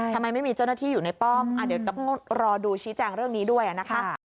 ทำไมไม่มีเจ้าหน้าที่อยู่ในป้อมเดี๋ยวต้องรอดูชี้แจงเรื่องนี้ด้วยนะคะ